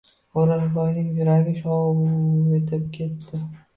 O’rolboyning yuragi shuv etib ketdi.